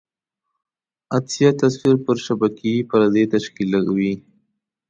عدسیه تصویر پر شبکیې پردې تشکیولوي.